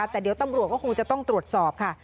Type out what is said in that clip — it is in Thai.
แต่เดี๋ยวตำรวจก็คงจะต้องตรวจสอบค่ะ